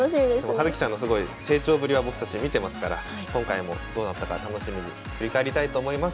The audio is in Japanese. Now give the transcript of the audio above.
葉月さんのすごい成長ぶりは僕たち見てますから今回もどうなったか楽しみに振り返りたいと思います。